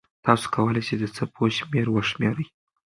تاسو کولای سئ د څپو شمېر وشمېرئ.